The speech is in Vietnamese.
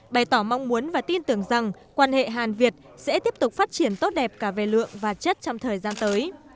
bày tỏ mong muốn và tin tưởng rằng quan hệ hàn việt sẽ tiếp tục phát triển tốt đẹp cả về lượng và chất trong thời gian tới